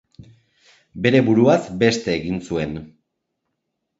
Bere buruaz beste egin zuen.